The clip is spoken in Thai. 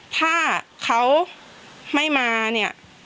ถ้าเขาไม่มาเนี่ย